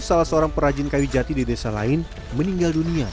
salah seorang perajin kayu jati di desa lain meninggal dunia